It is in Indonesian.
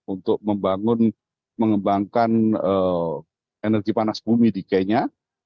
untuk mengembangkan energi panas bumi di kenya